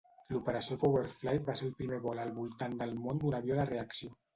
L'Operació Power-Flite va ser el primer vol al voltant del món d'un avió de reacció.